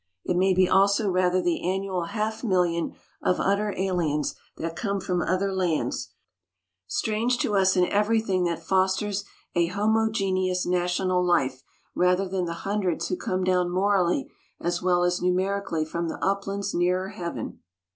It may be also rather the annual half million of utter aliens that come from other lands, strange to us in everything that fosters a homogeneous national life, rather than the hundreds who come down morally as well as numerically from the uplands nearer heaven.